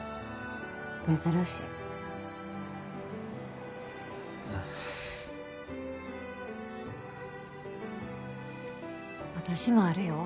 珍しい私もあるよ